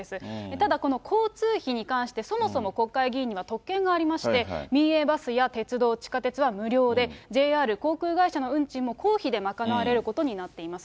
ただこの交通費に関して、そもそも国会議員には特権がありまして、民営バスや鉄道、地下鉄は無料で、ＪＲ、航空会社の運賃も公費で賄われることになっています。